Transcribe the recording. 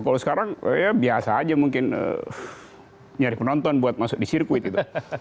kalau sekarang ya biasa aja mungkin nyari penonton buat masuk di sirkuit gitu